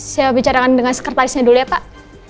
saya bicarakan dengan sekretarisnya dulu ya pak